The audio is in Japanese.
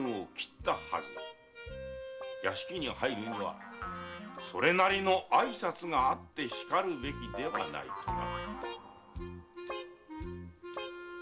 屋敷に入るにはそれなりの挨拶があってしかるべきではないかな？